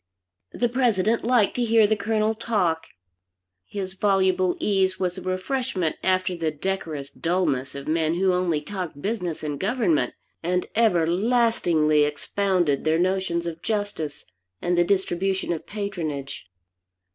The President liked to hear the Colonel talk, his voluble ease was a refreshment after the decorous dullness of men who only talked business and government, and everlastingly expounded their notions of justice and the distribution of patronage.